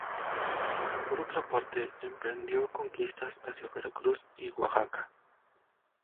Por otra parte, emprendió conquistas hacia Veracruz y Oaxaca.